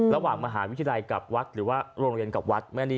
ระหว่างมหาวิทยาลัยกับวัดหรือว่าโรงเรียนกับวัด